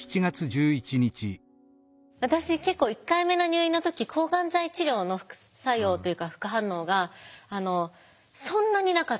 私結構１回目の入院の時抗がん剤治療の副作用というか副反応がそんなになかったんです。